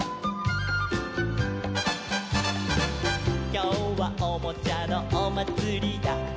「きょうはおもちゃのおまつりだ」